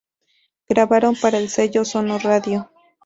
Grabaron para el sello Sono Radio.